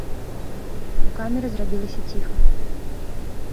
У камеры зрабілася ціха.